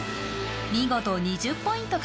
見事２０ポイント